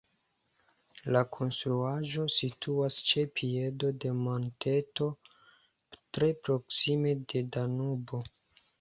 La konstruaĵo situas ĉe piedo de monteto tre proksime de Danubo.